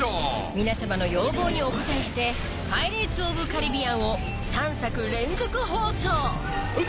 皆さまの要望にお応えして『パイレーツ・オブ・カリビアン』を３作連続放送撃て！